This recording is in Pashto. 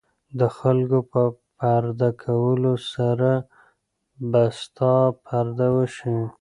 د خلکو په پرده کولو سره به ستا پرده وشي.